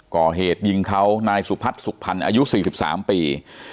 ก่อเหตุยิงเขานายสุพัฒน์สุขพันธ์อายุ๔๓ปี